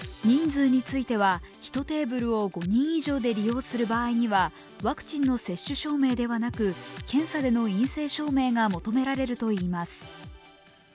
人数については１テーブルを５人以上で利用する場合には、ワクチンの接種証明ではなく検査での陰性証明が求められるといいます。